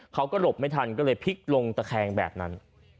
เขาก็หลบไม่ทันก็เลยพลิกลงตะแคงแบบนั้น